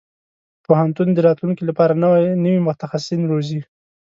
پوهنتون د راتلونکي لپاره نوي متخصصين روزي.